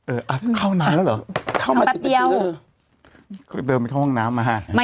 เออเข้าน้ำเริ่มขอนะ